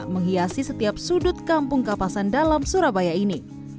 menghiasi setiap sudut kampung kapasan dalam surabaya ini